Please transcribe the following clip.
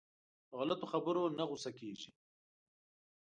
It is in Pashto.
په غلطو خبرو نه غوسه کېږي.